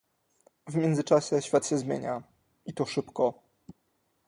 W międzyczasie świat się zmienia, i to szybko